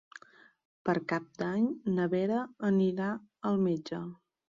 Per Cap d'Any na Vera anirà al metge.